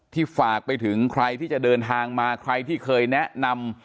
ฝากไปถึงใครที่จะเดินทางมาใครที่เคยแนะนำ